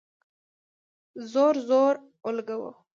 زور ، زور، زور اولګوو